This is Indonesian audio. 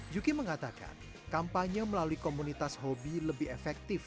yuki mengatakan kampanye melalui komunitas hobi lebih efektif